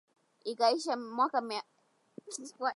ikaishia mwaka elfu moja mia tisa sitini na nne